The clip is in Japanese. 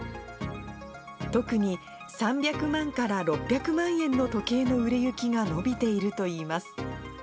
特に３００万から６００万円の時計の売れ行きが伸びているといいます。